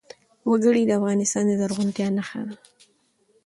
وګړي د افغانستان د زرغونتیا نښه ده.